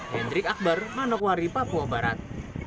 hendrik akbar manokwari papua barat